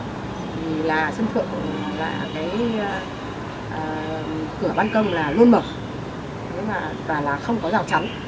vì là sân thượng là cái cửa ban công là luôn mở và là không có rào chấm